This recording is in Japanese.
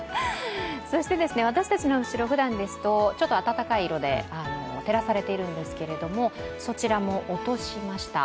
そして私たちの後ろ、ふだんですと温かい色で照らされているんですけれどもそちらも落としました。